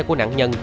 của nạn nhân